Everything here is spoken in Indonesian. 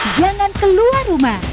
jangan keluar rumah